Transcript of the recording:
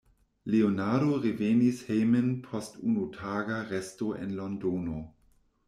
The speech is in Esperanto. Leonardo revenis hejmen post unutaga resto en Londono.